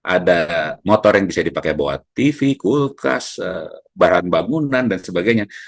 ada motor yang bisa dipakai bawa tv kulkas bahan bangunan dan sebagainya